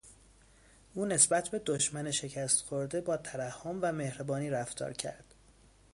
او نسبت به دشمن شکست خورده با ترحم و مهربانی رفتارکرد.